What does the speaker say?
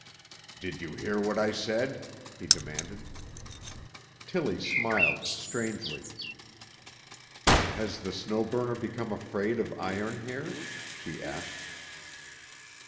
"Did you hear what I said?" he demanded. Tillie smiled strangely. "Has the Snow Burner become afraid of Iron Hair?" she asked.